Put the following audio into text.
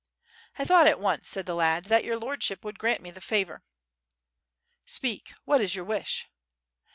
'' "I thought at once," said tha lad, "that your lordship would grant me the favor." "Speak, what is your wish?"